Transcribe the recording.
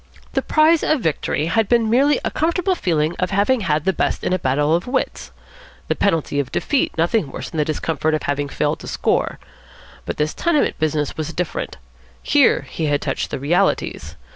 The prize of victory had been merely a comfortable feeling of having had the best of a battle of wits; the penalty of defeat nothing worse than the discomfort of having failed to score. But this tenement business was different. Here he had touched the realities.